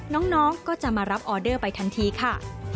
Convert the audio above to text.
น้องก็จะมารับออเดอร์ไปทันทีค่ะ